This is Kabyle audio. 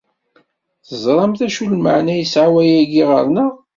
Teẓramt acu lmeɛna yesɛa wayagi ɣer-neɣ?